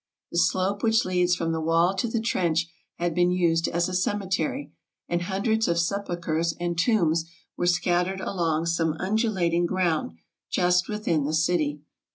The slope which leads from the wall to the trench had been used as a cemetery, and hundreds of sepulchers and tombs were scat 306 TRAVELERS AND EXPLORERS tered along some undulating ground just without the city.